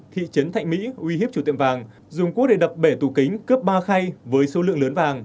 thị trấn thạnh mỹ uy hiếp chủ tiệm vàng dùng cua để đập bể tủ kính cướp ba khay với số lượng lớn vàng